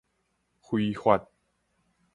揮發